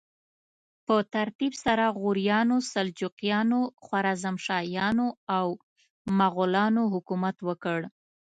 په ترتیب سره غوریانو، سلجوقیانو، خوارزمشاهیانو او مغولانو حکومت وکړ.